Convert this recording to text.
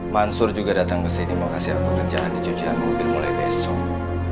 mansur juga datang ke sini mau kasih aku kerjaan di cucian mobil mulai besok